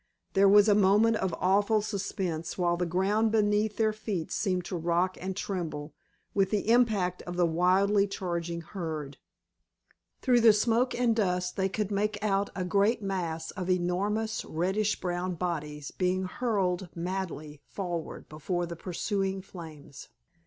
There was a moment of awful suspense, while the ground beneath their feet seemed to rock and tremble with the impact of the wildly charging herd. Through the smoke and dust they could make out a great mass of enormous reddish brown bodies being hurled madly forward before the pursuing flames.